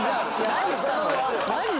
何したの？